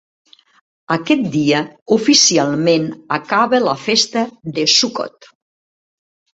Aquest dia oficialment acaba la festa de Sukkot.